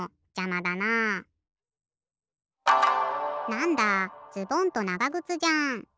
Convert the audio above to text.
なんだズボンとながぐつじゃん。